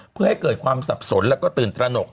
เพื่อให้เกิดความสับสนแล้วก็ตื่นตระหนก